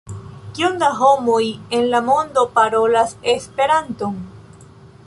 Kiom da homoj en la mondo parolas Esperanton?